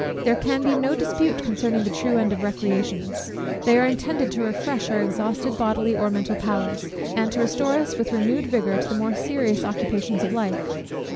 There can be no dispute concerning the true end of recreations. They are intended to refresh our exhausted bodily or mental powers, and to restore us, with renewed vigour, to the more serious occupations of life.